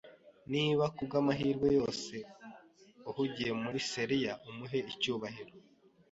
Niba kubwamahirwe yose uhungiye muri Celia, umuhe icyubahiro.